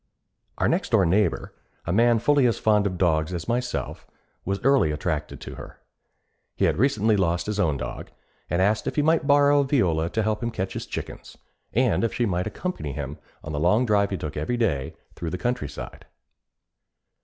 Our next door neighbor, a man fully as fond of dogs as myself, was early attracted to her. He had recently lost his own dog, and asked if he might borrow Viola to help him catch his chickens, and if she might accompany him on the long drive he took every day through the countryside.